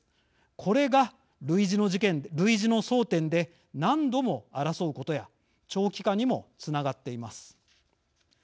これが、類似の争点で何度も争うことや長期化にも、つながっています。